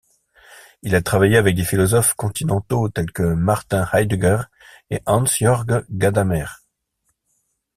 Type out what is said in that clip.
Il a travaillé avec des philosophes continentaux tels que Martin Heidegger et Hans-Georg Gadamer.